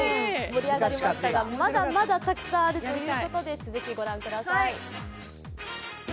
盛り上がりましたが、まだまだたくさんあるということでご覧ください。